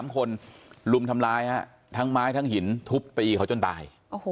๓คนลุมทำร้ายทั้งไม้ทั้งหินทุบตีเขาจนตาย